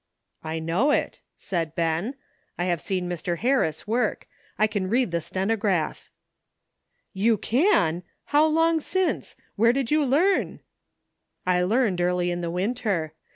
"I know it," said Ben; "I have seen Mr. Harris work. I can read the stenograph." "You can! How long since? Where did you learn ?" "I learned early in the winter.